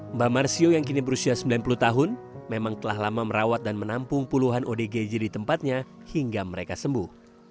mbah marsio yang kini berusia sembilan puluh tahun memang telah lama merawat dan menampung puluhan odgj di tempatnya hingga mereka sembuh